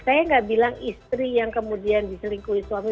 saya nggak bilang istri yang kemudian diselingkuhi suami